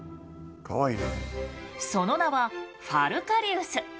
その名はファルカリウス。